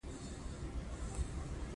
بدرنګه شوق د نفس تباهي ده